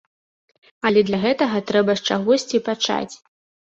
Але для гэтага трэба з чагосьці пачаць!